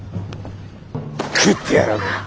食ってやろうか！